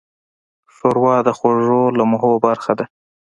ښوروا د خوږو لمحو برخه ده.